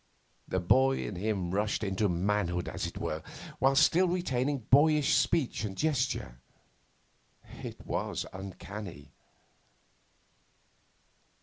The boy in him rushed into manhood, as it were, while still retaining boyish speech and gesture. It was uncanny.